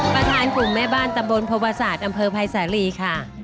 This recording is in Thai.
ประธานกลุ่มแม่บ้านตำรวจโภบาศาสตร์อำเภอภัยสาลีค่ะ